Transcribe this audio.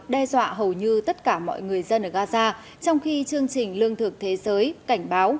đe dọa hầu như tất cả mọi người dân ở gaza trong khi chương trình lương thực thế giới cảnh báo